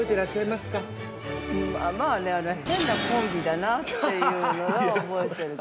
◆まあね、変なコンビだなっていうのは覚えてる。